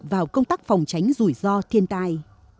vào công tác phòng tránh rủi ro thiên tai